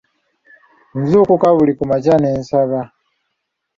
Nzuukuka buli ku makya ne nsaba.